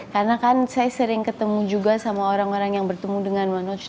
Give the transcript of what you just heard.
karena kan saya sering ketemu juga sama orang orang yang bertemu dengan manoj